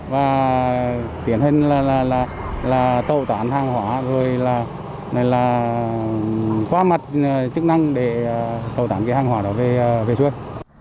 và tiến hình là tẩu tán hàng hóa rồi là qua mặt chức năng để tẩu tán cái hàng hóa đó về vệ xuân